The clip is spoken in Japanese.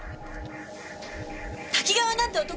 多岐川なんて男